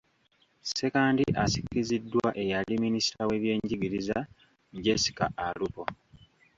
Ssekandi asikiziddwa eyali minisita w’ebyenjigiriza, Jessica Alupo.